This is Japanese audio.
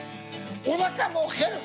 おなかも減る。